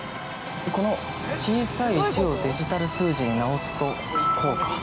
この小さい１をデジタル数字に直すと、こうか！